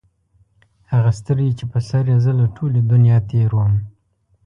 هغه سترګي چې په سر یې زه له ټولي دنیا تېر وم